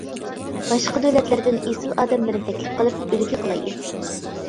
-باشقا دۆلەتلەردىن ئېسىل ئادەملەرنى تەكلىپ قىلىپ، ئۈلگە قىلايلى.